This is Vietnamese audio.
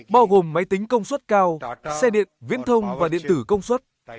bao gồm máy tính công suất cao xe điện viễn thông và điện tử công suất